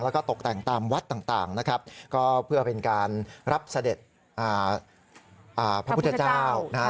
แล้วก็ตกแต่งตามวัดต่างนะครับก็เพื่อเป็นการรับเสด็จพระพุทธเจ้านะฮะ